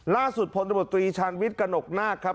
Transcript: ล่าสุดพลตมตรีชาญวิทย์กระหนกนาคครับ